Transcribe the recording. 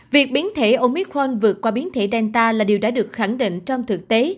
việc biến thể omicron vượt qua biến thể delta là điều đã được khẳng định trong thực tế